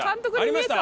ありました？